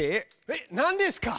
えっなんですか？